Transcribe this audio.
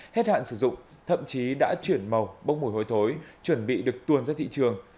hết hạn sử dụng thậm chí đã chuyển màu bốc mùi hôi thối chuẩn bị được tuồn ra thị trường